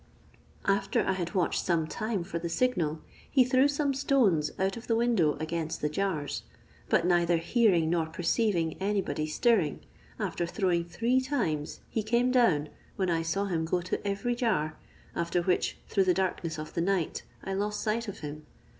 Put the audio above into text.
"After I had watched some time for the signal, he threw some stones out of the window against the jars, but neither hearing nor perceiving any body stirring, after throwing three times, he came down, when I saw him go to every jar, after which, through the darkness of the night, I lost sight of him.